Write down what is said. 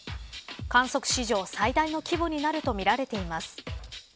観測史上最大の規模になるとみられています。